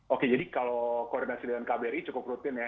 oke jadi kalau koordinasi dengan kbri cukup rutin ya